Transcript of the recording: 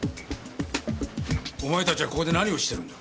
お前たちはここで何をしてるんだ？